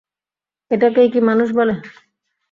এটাকেই কি মানুষ বলে।